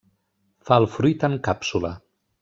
Fa el fruit en càpsula.